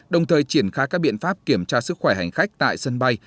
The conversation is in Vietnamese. đồng thời triển khai các biện pháp kiểm tra sức khỏe hành khách tại sân bay